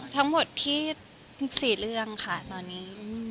ทั้งหมดพี่๔เรื่องค่ะตอนนี้